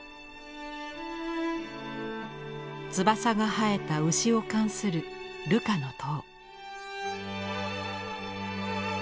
翼が生えた牛を冠するルカの塔。